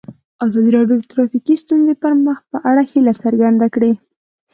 ازادي راډیو د ټرافیکي ستونزې د پرمختګ په اړه هیله څرګنده کړې.